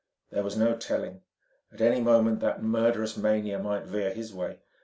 There was no telling; at any moment that murderous mania might veer his way.